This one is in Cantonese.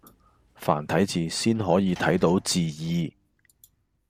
繁體字先可以睇到字義